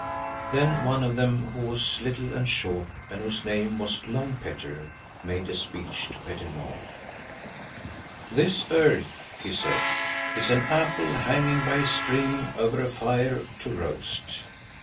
Then one of them who was little and short, and whose name was Long Petter, made a speech to Petter Nord. "This earth," he said, is an apple hanging by a string over a fire to roast.